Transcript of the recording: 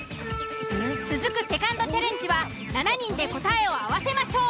続くセカンドチャレンジは７人で答えを合わせましょう。